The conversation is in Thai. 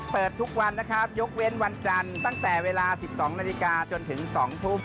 เปิดทุกวันนะครับยกเว้นวันจันทร์ตั้งแต่เวลา๑๒นาฬิกาจนถึง๒ทุ่ม